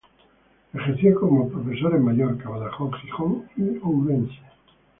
Ejerció como profesor en Mallorca, Badajoz, Gijón y Orense.